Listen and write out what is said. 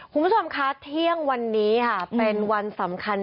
คุณผู้ชมคะเที่ยงวันนี้ค่ะเป็นวันสำคัญ